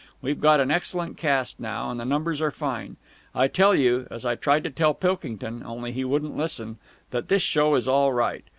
We've got an excellent cast now, and the numbers are fine. I tell you as I tried to tell Pilkington, only he wouldn't listen that this show is all right.